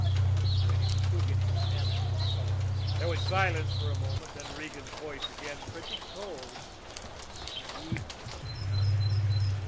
It was Reddy MacQuigan, answering sullenly. There was silence for a moment; then Regan's voice again, pretty cold and even now.